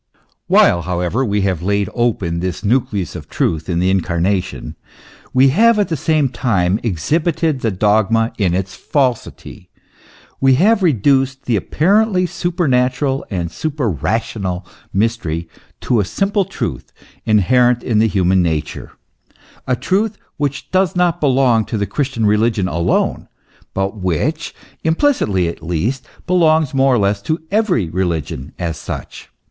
While, however, we have laid open this nucleus of truth in the Incarnation, we have at the same time exhibited the dogma in its falsity, we have reduced the apparently super natural and super rational mystery to a simple truth inherent in human nature : a truth which does not belong to the Christian religion alone, but which, implicitly at least, belongs more or less to every religion as such.